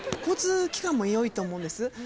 交通機関も良いと思うんです。